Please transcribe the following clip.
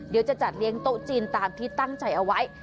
จะจัดเลี้ยงโต๊ะจีนตามที่ตั้งใจเอาไว้